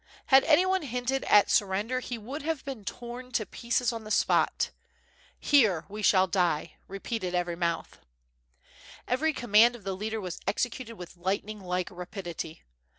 Had any one hinted at sur render he would have been torn to pieces on the spot. "Here we shall die,^' repeated every mouth. Every command of the leader was executed with lightning like rapidity.